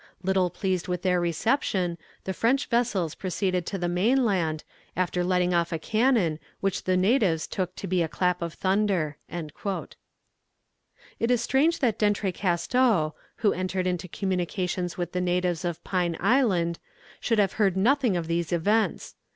Little pleased with their reception, the French vessels proceeded to the mainland, after letting off a cannon, which the natives took to be a clap of thunder." It is strange that D'Entrecasteaux, who entered into communications with the natives of Pine Island, should have heard nothing of these events.